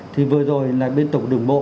thì vừa rồi là bên tổng đường bộ